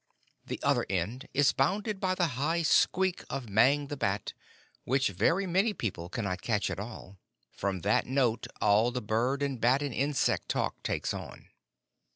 [The other end is bounded by the high squeak of Mang, the Bat, which very many people cannot catch at all. From that note all the bird and bat and insect talk takes on.